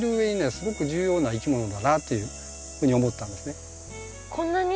すごく重要ないきものだなっていうふうに思ったんですね。